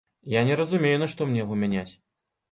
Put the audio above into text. Я не разумею нашто мне яго мяняць.